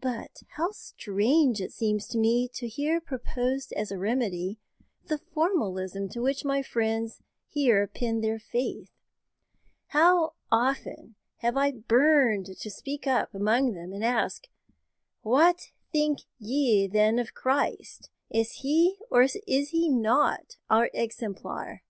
But how strange it seems to me to hear proposed as a remedy the formalism to which my friends here pin their faith! How often have I burned to speak up among them, and ask 'What think ye, then, of Christ? Is He, or is He not, our exemplar?